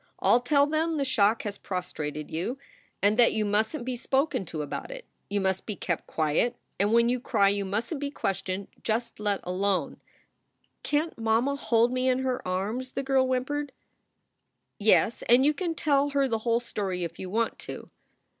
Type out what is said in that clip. I ll tell them the shock has prostrated you and that you mustn t be spoken to about it. You must be kept quiet, and when you cry you mustn t be questioned, just let alone." "Can t mamma hold me in her arms ?" the girl whimpered. "Yes, and you can tell her the whole story if you want to."